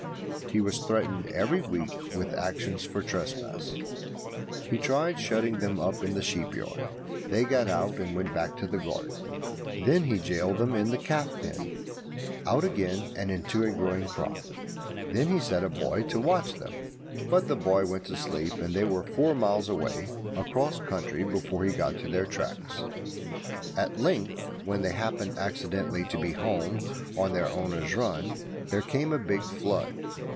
He was threatened every week with actions for trespass. He tried shutting them up in the sheep yard. They got out and went back to the garden. Then he gaoled them in the calf pen. Out again and into a growing crop. Then he set a boy to watch them; but the boy went to sleep, and they were four miles away across country before he got on to their tracks. At length, when they happened accidentally to be at home on their owner's run, there came a big flood.